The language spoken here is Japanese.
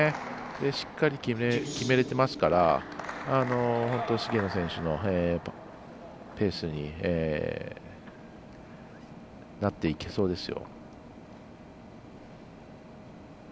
しっかり決められていますから本当に菅野選手のペースになっていけそうですよ。